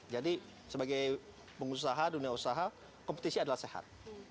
jadi sebagai pengusaha dunia usaha kompetisi adalah sehat